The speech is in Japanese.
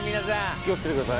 気を付けて下さい。